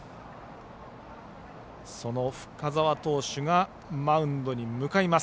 その深沢投手がマウンドに向かいます。